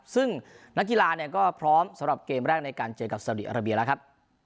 ซึ่งนักกีฬาเนี่ยก็พร้อมสำหรับเกมแรกในการเจอกับสาวดีอาราเบียแล้วครับ